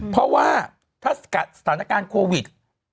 เพราะว่าถ้าสถานการณ์โควิด